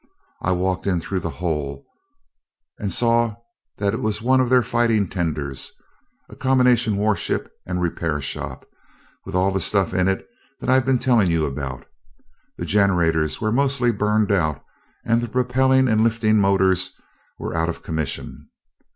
I walked in through the hole and saw that it was one of their fighting tenders a combination warship and repair shop, with all of the stuff in it that I've been telling you about. The generators were mostly burned out and the propelling and lifting motors were out of commission.